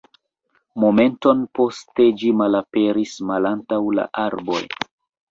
Momenton poste ĝi malaperis malantaŭ la arboj.